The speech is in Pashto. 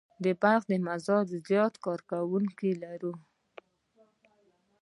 د بلخ مزار ډېر زیارت کوونکي لري.